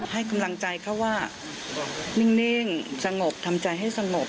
ให้กำลังใจเขาว่านิ่งสงบทำใจให้สงบ